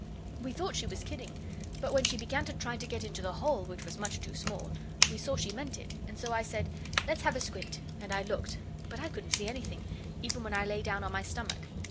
We thought she was kidding, but when she began to try to get into the hole, which was much too small, we saw she meant it, so I said, 'Let's have a squint,' and I looked, but I couldn't see anything, even when I lay down on my stomach.